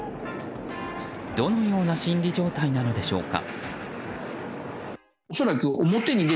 どのような心理状態なのでしょうか。